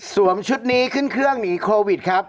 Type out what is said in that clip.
ชุดนี้ขึ้นเครื่องหนีโควิดครับ